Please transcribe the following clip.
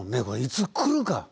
これいつ来るか。